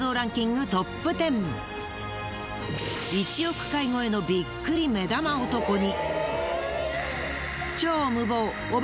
１億回超えのビックリ目玉男に。